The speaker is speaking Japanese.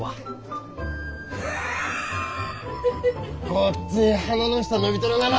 ごっつい鼻の下伸びとるがな。